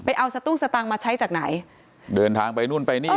เอาสตุ้งสตางค์มาใช้จากไหนเดินทางไปนู่นไปนี่